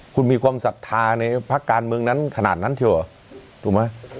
คุณมีความศรัทธาในภาคการเมืองนั้นขนาดนั้นเชียวเหรอถูกไหม